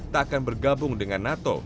tak akan bergabung dengan nato